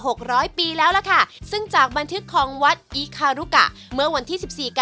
ร้อยปีแล้วล่ะค่ะซึ่งจากบันทึกของวัดอีคารุกะเมื่อวันที่สิบสี่กัน